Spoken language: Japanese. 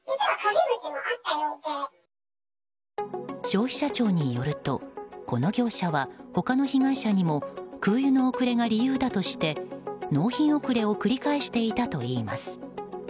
消費者庁によると、この業者は他の被害者にも空輸の遅れが理由だとして納品遅れを繰り返していたといいます。